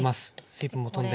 水分も飛んで。